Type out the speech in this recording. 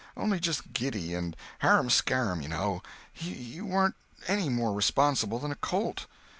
Only just giddy, and harum scarum, you know. He warn't any more responsible than a colt.